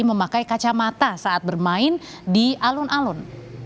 memakai kacamata saat bermain di alun alun